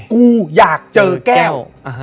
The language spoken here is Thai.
กูอยากเจอแก้ว